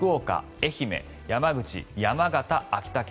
愛媛山口、山形、秋田県。